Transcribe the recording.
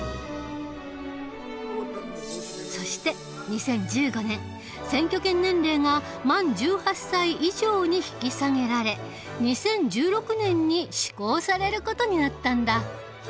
そして２０１５年選挙権年齢が満１８歳以上に引き下げられ２０１６年に施行される事になったんだ。